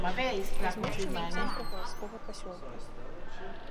Размешчана ў цэнтры гарадскога пасёлка.